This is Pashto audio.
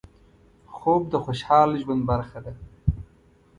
خوب د خوشحال ژوند برخه ده